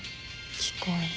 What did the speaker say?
聞こえる。